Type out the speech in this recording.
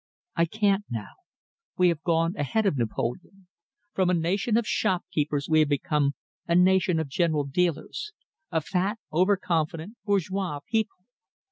I can't now. We have gone ahead of Napoleon. From a nation of shop keepers we have become a nation of general dealers a fat, over confident, bourgeois people.